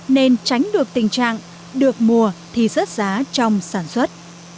nên tránh được tình trạng được mùa thì rớt giá trong sản xuất